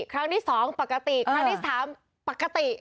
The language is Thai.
ครั้งที่๒ปกติครั้งที่๓ปกติ